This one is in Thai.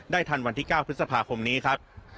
ทันวันที่๙พฤษภาคมนี้ครับ